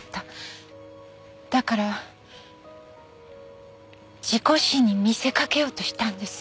だから事故死に見せかけようとしたんです。